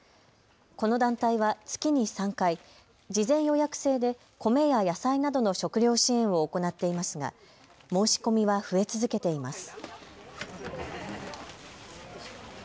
この団体は月に３回、事前予約制で米や野菜などの食料支援を行っていますが申し込みは増え続けています。